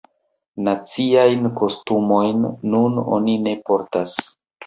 Naciajn kostumojn nun oni ne portas.